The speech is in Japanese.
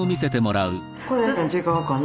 これ違うかな？